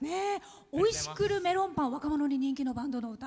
おいしくるメロンパン若者に人気のバンドの歌。